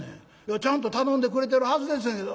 ちゃんと頼んでくれてるはずですねんけど。